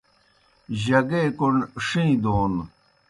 جگے کوْݨ ݜِیں دون۔